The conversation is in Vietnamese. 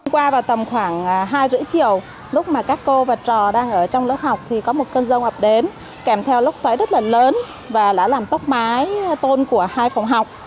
qua vào tầm khoảng hai rưỡi chiều lúc mà các cô và trò đang ở trong lớp học thì có một cơn rông ập đến kèm theo lốc xoáy rất là lớn và đã làm tốc mái tôn của hai phòng học